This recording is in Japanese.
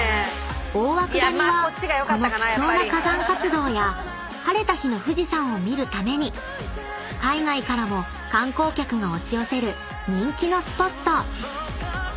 ［大涌谷はこの貴重な火山活動や晴れた日の富士山を見るために海外からも観光客が押し寄せる人気のスポット］